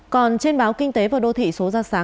còn trên báo kinh tế và đô thị số ra sáng